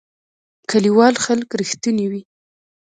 کلیوال خلک رښتونی وی